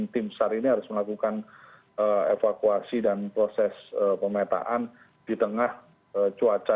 tim sar ini harus melakukan evakuasi dan proses pemetaan di tengah cuaca